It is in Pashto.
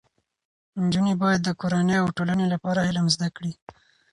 نجونې باید د کورنۍ او ټولنې لپاره علم زده کړي.